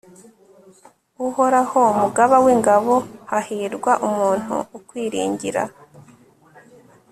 uhoraho, mugaba w'ingabo, hahirwa umuntu ukwiringira